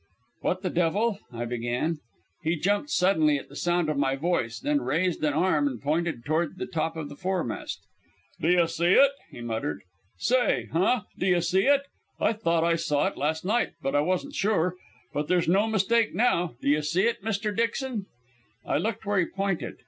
"What the devil " I began. He jumped suddenly at the sound of my voice, then raised an arm and pointed toward the top of the foremast. "D'ye see it?" he muttered. "Say, huh? D'ye see it? I thought I saw it last night, but I wasn't sure. But there's no mistake now. D'ye see it, Mr. Dixon?" I looked where he pointed.